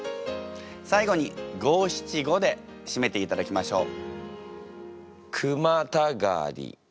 最後に五・七・五でしめていただきましょう。